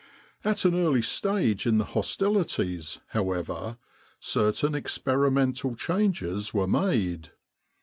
At an early stage in the hostilities, however, certain experimental changes were made.